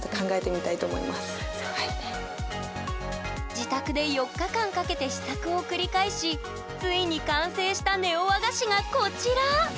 自宅で４日間かけて試作を繰り返しついに完成したネオ和菓子がこちら！